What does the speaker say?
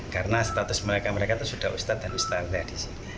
karena status mereka mereka itu sudah ustad dan ustad